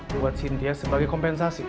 buat cynthia sebagai kompensasi